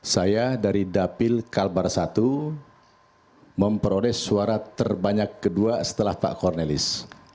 saya dari dapil kalbar satu memperoleh suara terbanyak kedua setelah pak cornelis